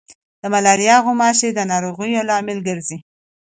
د ملاریا غوماشي د ناروغیو لامل ګرځي.